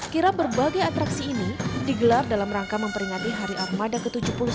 kirap berbagai atraksi ini digelar dalam rangka memperingati hari armada ke tujuh puluh satu